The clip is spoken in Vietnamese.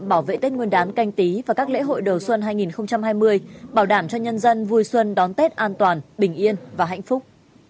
bảo vệ tết nguyên đán canh tí và các lễ hội đầu xuân hai nghìn hai mươi bảo đảm cho nhân dân vui xuân đón tết an toàn bình yên và hạnh phúc